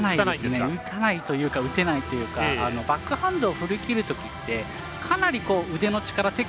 打たないというか打てないというかバックハンドを振り切るときってかなり腕の力